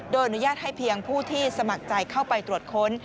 โดยอนุญาตให้เพียงผู้ที่สมัครใจเข้าไปตรวจค้น